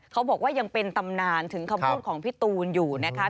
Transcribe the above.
เขาบอกว่ายังเป็นตำนานถึงคำพูดของพี่ตูนอยู่นะคะ